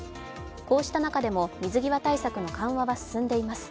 こうした中でも、水際対策の緩和は進んでいます。